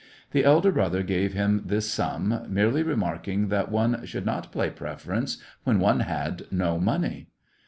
The elder brother gave him this sum, merely remarking that one should not play preference when one had no money.